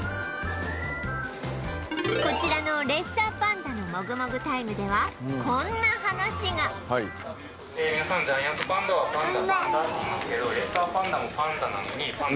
こちらのレッサーパンダのもぐもぐタイムではこんな話がはあ！